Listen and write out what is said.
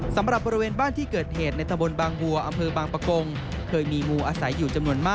สำหรับบริเวณบ้านที่เกิดเหตุ